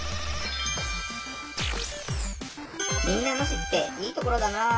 民奈野市っていいところだなあ。